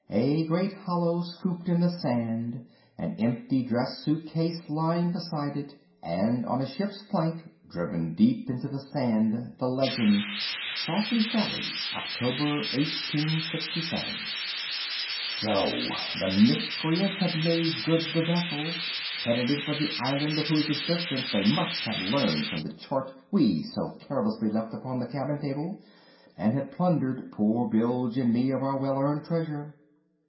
A great hollow scooped in the sand, an empty dress suit case lying beside it, and on a ship's plank driven deep into the sand, the legend, "Saucy Sally, October, 1867." So! the miscreants had made good the vessel, headed it for the island of whose existence they must have learned from the chart we so carelessly left upon the cabin table, and had plundered poor Bilge and me of our well earned treasure!